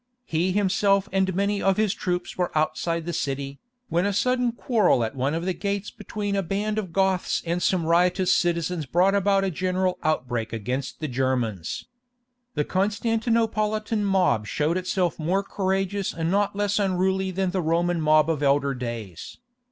He himself and many of his troops were outside the city, when a sudden quarrel at one of the gates between a band of Goths and some riotous citizens brought about a general outbreak against the Germans. The Constantinopolitan mob showed itself more courageous and not less unruly than the Roman mob of elder days.